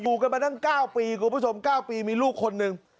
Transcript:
กันมาตั้ง๙ปีคุณผู้ชม๙ปีมีลูกคนหนึ่ง